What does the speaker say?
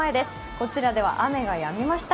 こちらでは雨がやみました。